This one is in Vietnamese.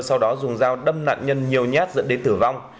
sau đó dung giao đâm nạn nhân nhiều nhát dẫn đến tử vong